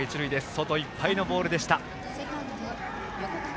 外いっぱいのボールでした。